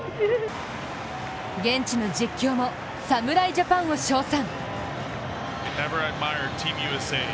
現地の実況も侍ジャパンを称賛。